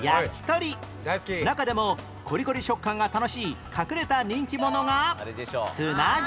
中でもコリコリ食感が楽しい隠れた人気者が砂肝